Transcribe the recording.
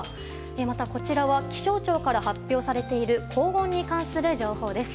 また、こちらは気象庁から発表されている高温に関する情報です。